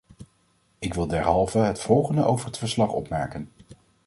Ik wil derhalve het volgende over het verslag opmerken.